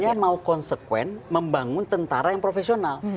kalau sipilnya mau konsekuen membangun tentara yang profesional